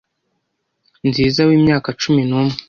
Nziza w’imyaka cumi numwe